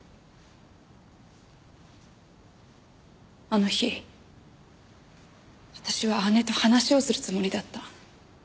あの日私は姉と話をするつもりだった。